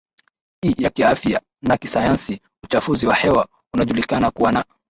i ya kiafya na kisayansi Uchafuzi wa hewa unajulikana kuwa na